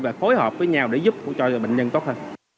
và phối hợp với nhau để giúp cho bệnh nhân tốt hơn